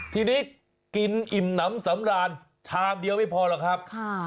ทีนี้กินอิ่มน้ำสำราญชามเดียวไม่พอหรอกครับ